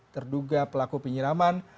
terduga pelaku penyiraman